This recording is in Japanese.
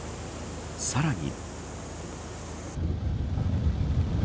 さらに。